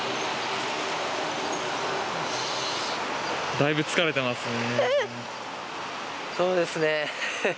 だいぶ疲れてますね？